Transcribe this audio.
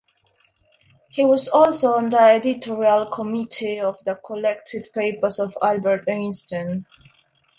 He was also on the editorial committee of the Collected Papers of Albert Einstein.